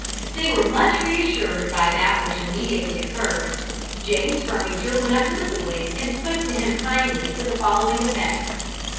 They were much reassured by that which immediately occurred. James Firminger went up to the boy and spoke to him kindly to the following effect.